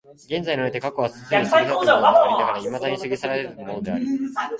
現在において過去は既に過ぎ去ったものでありながら未だ過ぎ去らざるものであり、